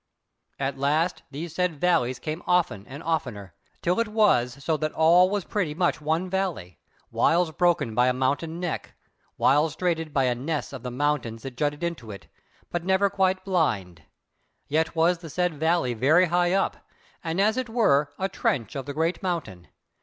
At last these said valleys came often and oftener, till it was so that all was pretty much one valley, whiles broken by a mountain neck, whiles straitened by a ness of the mountains that jutted into it, but never quite blind: yet was the said valley very high up, and as it were a trench of the great mountain.